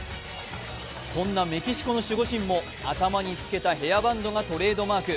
そんなメキシコの守護神も頭に着けたヘアバンドがトレードマーク。